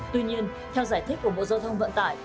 tuy nhiên theo giải thích của bộ giao thông vận tải